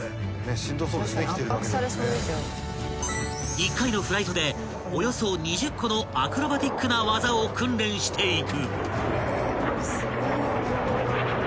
［１回のフライトでおよそ２０個のアクロバティックな技を訓練していく］